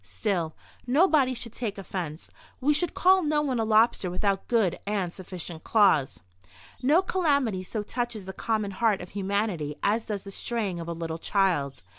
Still, nobody should take offence. We would call no one a lobster without good and sufficient claws. No calamity so touches the common heart of humanity as does the straying of a little child.